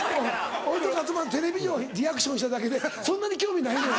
俺と勝俣テレビ上リアクションしただけでそんなに興味ないのよ。